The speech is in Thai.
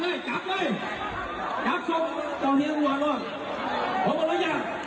วันต่อไปล่ะเจ้าเนียนกันเลยเอาเลย